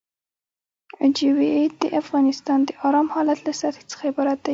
جیوئید د اوبو د ارام حالت له سطحې څخه عبارت ده